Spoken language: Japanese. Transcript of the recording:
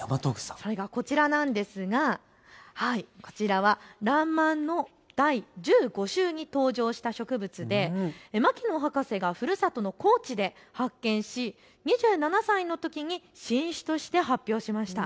それがこちらなんですがらんまんの第１５週に登場した植物で牧野博士がふるさとの高知で発見し２７歳のときに新種として発表しました。